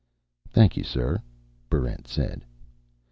"Thank you, sir," Barrent said.